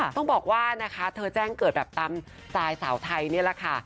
ต้องบอกว่านะคะเธอแจ้งเกิดแบบตามสไตล์สาวไทยนี่แหละค่ะ